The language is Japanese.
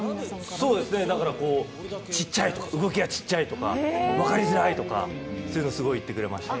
そうですね、動きがちっちゃいとか、分かりづらいとか、そういうのをすごく言ってくれました。